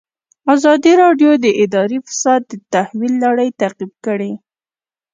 ازادي راډیو د اداري فساد د تحول لړۍ تعقیب کړې.